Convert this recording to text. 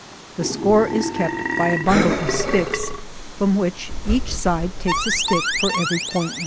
The score is kept by a bundle of sticks, from which each side takes a stick for every point won.